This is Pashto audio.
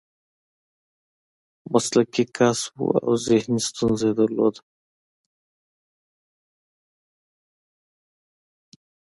هغه مسلکي کس و او ذهني ستونزه یې لرله